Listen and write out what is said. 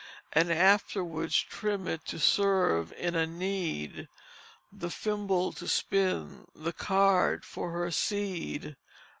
And afterwards trim it to serve in a need; The fimble to spin, the card for her seed."